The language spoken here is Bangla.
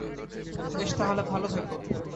বেশ, তাহলে, ভালো থেকো।